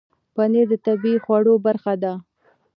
پنېر د طبیعي خوړو برخه ده.